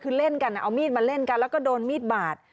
คือเล่นกันเอามีดมาเล่นกันแล้วก็โดนมีดบาด